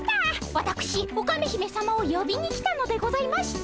わたくしオカメ姫さまをよびに来たのでございました。